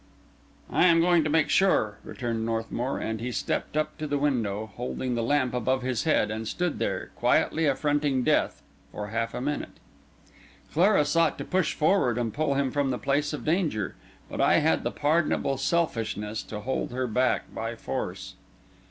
"I am going to make sure," returned Northmour; and he stepped up to the window, holding the lamp above his head, and stood there, quietly affronting death, for half a minute. Clara sought to rush forward and pull him from the place of danger; but I had the pardonable selfishness to hold her back by force.